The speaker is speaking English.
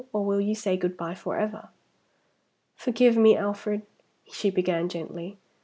or will you say good by forever?" "Forgive me, Alfred!" she began, gently.